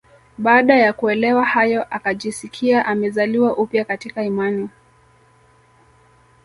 Baada ya kuelewa hayo akajisikia amezaliwa upya katika imani